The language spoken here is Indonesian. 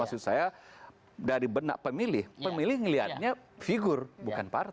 maksud saya dari benak pemilih pemilih ngelihatnya figur bukan partai